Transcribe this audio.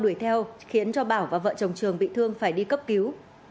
đuổi theo khiến cho bảo và vợ chồng trường bị thương phải đi cấp cứu